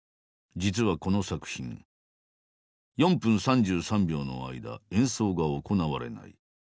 実はこの作品４分３３秒の間演奏が行われない。